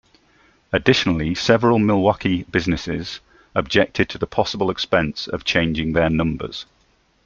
Additionally, several Milwaukee businesses objected to the possible expense of changing their numbers.